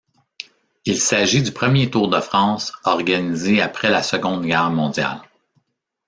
Il s'agit du premier Tour de France organisé après la Seconde Guerre mondiale.